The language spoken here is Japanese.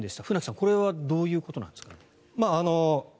船木さんこれはどういうことなんですか？